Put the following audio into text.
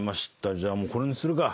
じゃあもうこれにするか。